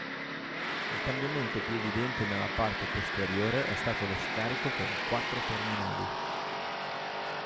Il cambiamento più evidente nella parte posteriore è stato lo scarico con quattro terminali.